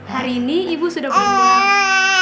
hari ini ibu sudah pulang